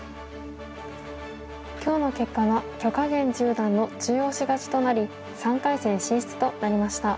今日の結果は許家元十段の中押し勝ちとなり３回戦進出となりました。